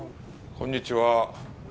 こんにちは。